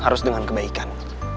harus dengan kebaikan